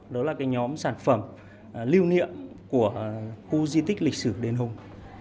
đó là cái nhóm sản phẩm lưu niệm của khu di tích lịch sử đền hùng